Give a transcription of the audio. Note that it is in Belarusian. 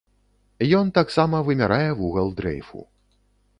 Ён таксама вымярае вугал дрэйфу.